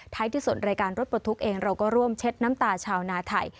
ที่สุดรายการรถปลดทุกข์เองเราก็ร่วมเช็ดน้ำตาชาวนาไทย